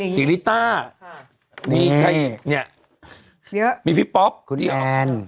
สีริต้าค่ะนี่ใครอีกเนี่ยเยอะมีพี่ป๊อบคุณแอน